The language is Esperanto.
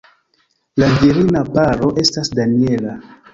La virina paro estas Daniela.